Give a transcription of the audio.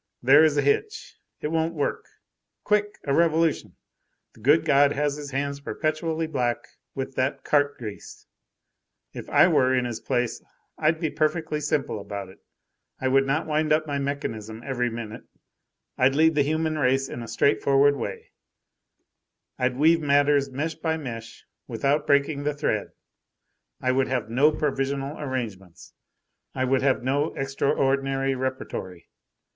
There is a hitch, it won't work. Quick, a revolution! The good God has his hands perpetually black with that cart grease. If I were in his place, I'd be perfectly simple about it, I would not wind up my mechanism every minute, I'd lead the human race in a straightforward way, I'd weave matters mesh by mesh, without breaking the thread, I would have no provisional arrangements, I would have no extraordinary repertory.